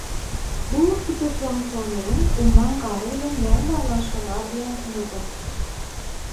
Bu fitoplanktonlaryň umman gary bilen näme baglanşygy bar diýýansiňizdir.